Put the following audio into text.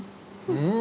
うん。